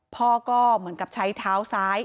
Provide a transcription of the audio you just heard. พ่อก็เหมือนกับใช้เท้าซ้าย